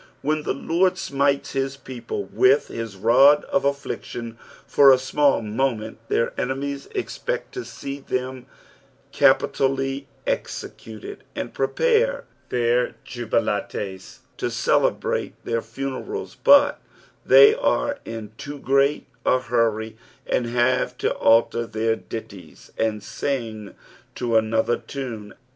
When the Lord smites his people with his rod of affliction for a smBll moment, their enemies expect to see them capi tally executed, and prepare their jvbilatei to celebrate their funerals, but they ■re in too great a hurry, and have to alter their ditties and sing to another tunc.